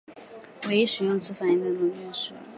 唯一使用此反应炉的军舰是尼米兹级超级航空母舰。